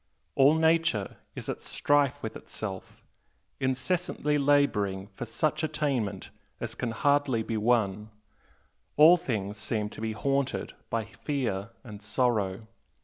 All Nature is at strife with itself, incessantly labouring for such attainment as can hardly be won, all things seem to be haunted by fear and sorrow.